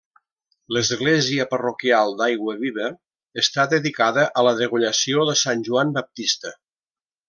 L'església parroquial d'Aiguaviva està dedicada a la degollació de Sant Joan Baptista.